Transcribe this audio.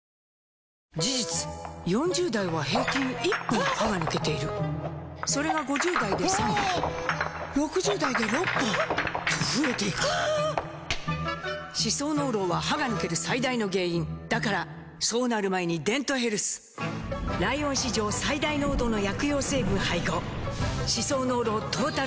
事実４０代は平均１本歯が抜けているそれが５０代で３本６０代で６本と増えていく歯槽膿漏は歯が抜ける最大の原因だからそうなる前に「デントヘルス」ライオン史上最大濃度の薬用成分配合歯槽膿漏トータルケア！